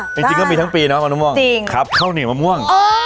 จริงก็มีทั้งปีเนาะมะม่วงจริงครับข้าวเหนียวมะม่วง